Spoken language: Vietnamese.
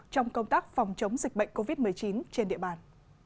trong công tác phòng chống dịch bệnh covid một mươi chín trên địa bàn